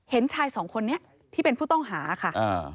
เห็นชายสองคนนี้ที่เป็นผู้ต้องหาค่ะอ่า